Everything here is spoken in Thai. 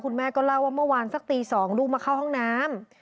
แม่ก็เล่าว่าเมื่อวานสักตี๒ลูกมาเข้าห้องน้ำ